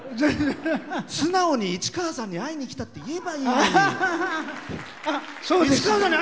素直に市川さんに会いに来たって言えばいいのに！